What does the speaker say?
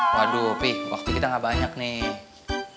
waduh pih waktu kita gak banyak nih